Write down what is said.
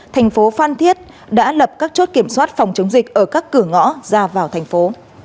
thành phố phan thiết đã lập các chốt kiểm soát phòng chống dịch ở các cửa ngõ ra vào thành phố